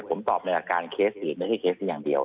ผมตอบในหลักการเคสอีกไม่ใช่เคสนี้อย่างเดียว